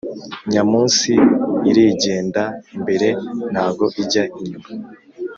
Nyamunsi irigenda imbere nago ijya inyuma